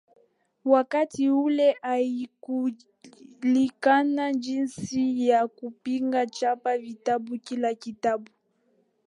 Wakati ule haikujulikana jinsi ya kupiga chapa vitabu Kila kitabu